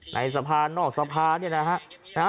ในสะพานนอกสะพานนี่นะครับ